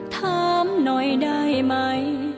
ถามหน่อยได้ไหม